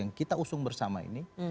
yang kita usung bersama ini